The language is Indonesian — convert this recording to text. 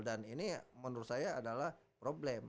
dan ini menurut saya adalah problem